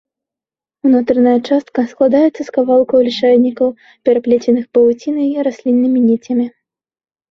Унутраная частка складаецца з кавалкаў лішайнікаў, пераплеценых павуцінай і расліннымі ніцямі.